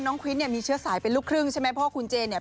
น้องควินเนี่ยมีเชื้อสายเป็นลูกครึ่งใช่ไหม